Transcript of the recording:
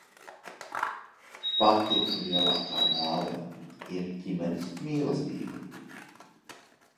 Pati lielākā dāvana ir ģimenes mīlestība.